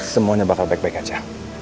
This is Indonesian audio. semuanya bakal baik baik aja